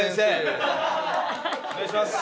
お願いします。